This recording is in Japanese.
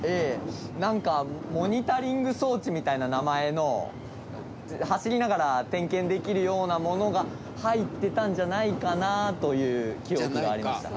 何かモニタリング装置みたいな名前の走りながら点検できるようなものが入ってたんじゃないかなという記憶がありました。